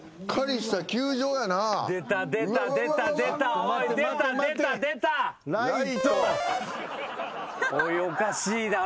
おいおかしいだろ。